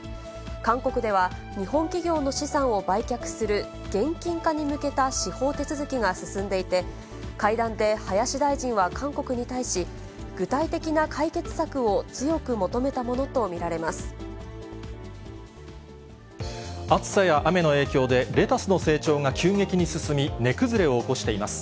韓国では、日本企業の資産を売却する現金化に向けた司法手続きが進んでいて、会談で林大臣は韓国に対し、具体的な解決策を強く求めたもの暑さや雨の影響で、レタスの成長が急激に進み、値崩れを起こしています。